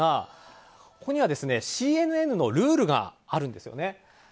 ここにはＣＮＮのルールがあるんですよね。